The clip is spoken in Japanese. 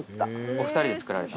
お二人で作られた。